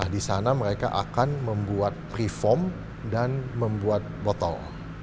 di sana mereka akan membuat reform dan membuat botol